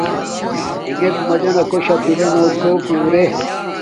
اݵݣݵڎ مَجَنݳ کݸ شَتِلݺ نݸ کݸ کُݸݸرݺ.